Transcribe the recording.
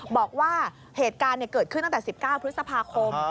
บอกว่าเหตุการณ์เกิดขึ้นตั้งแต่๑๙พฤษภาคม